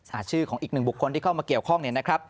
หาชื่อของอีกหนึ่งบุคคลที่เข้ามาเกี่ยวข้อง